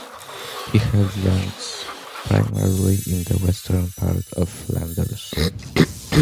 He held lands primarily in the western part of Flanders.